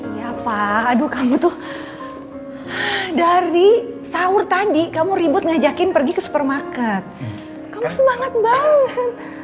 ya pak aduh kamu tuh dari sahur tadi kamu ribut ngajakin pergi ke supermarket kamu semangat banget